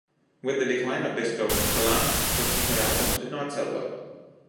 With the decline of disco, Gallant's subsequent albums did not sell well.